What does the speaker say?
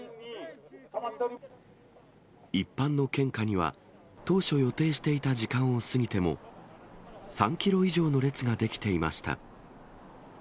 一般の献花には、当初予定していた時間を過ぎても、３キロ以上の列が出来ていました。